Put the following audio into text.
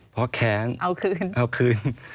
เพราะแข็งเอาคืน